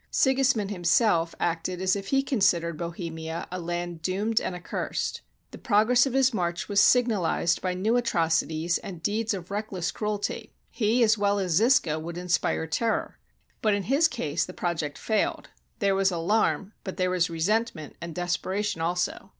Sigismund himself acted as if he considered Bohemia a land doomed and accursed. The progress of his march was signalized by new atrocities, and deeds of reckless cruelty. He, as well as Zisca, would inspire terror. But in his case the project failed. There was alarm, but there was resentment and desperation also.